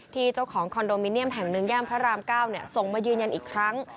ที่เจ้าของคอนโดมิเนียมแห่งนึงย่ามพระรามเก้าเนี่ยส่งมายืนยันอีกครั้ง